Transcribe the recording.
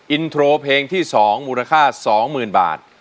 อินโทรเพลงที่๒มูลค่า๒๐๐๐บาท